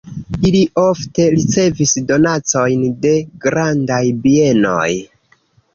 Ili ofte ricevis donacojn de grandaj bienoj.